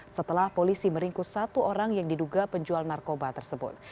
setelah polisi meringkus satu orang yang diduga penjual narkoba tersebut